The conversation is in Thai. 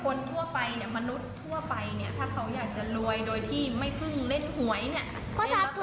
คนทั่วไปเนี่ยมนุษย์ทั่วไปเนี่ยถ้าเขาอยากจะรวยโดยที่ไม่เพิ่งเล่นหวยเนี่ย